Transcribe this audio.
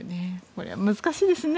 これは難しいですね。